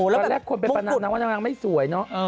แล้วแบบมุงกุฎตอนแรกคนเป็นพนักนางว่านางไม่สวยเนอะ